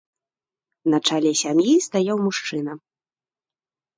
На чале сям'і стаяў мужчына.